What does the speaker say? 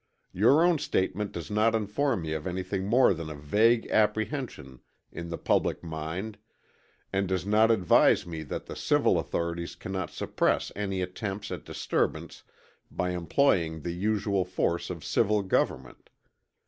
Your own statement does not inform me of anything more than a vague apprehension in the public mind, and does not advise me that the civil authorities cannot suppress any attempts at disturbance by employing the usual force of civil government.